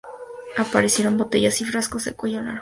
Aparecieron botellas y frascos de cuello largo.